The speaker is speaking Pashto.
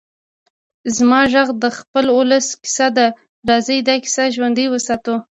زما غږ د خپل ولس کيسه ده؛ راځئ دا کيسه ژوندۍ وساتو.